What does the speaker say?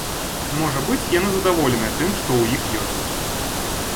Можа быць, яны задаволеныя тым, што ў іх ёсць.